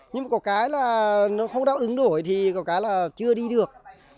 nhưng mà có cái là nó không đáp ứng đổi thì có cái là chưa đi được